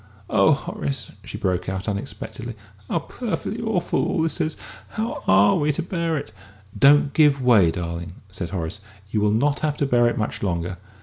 Oh, Horace," she broke out, unexpectedly, "how perfectly awful all this is! How are we to bear it?" "Don't give way, darling!" said Horace; "you will not have to bear it much longer."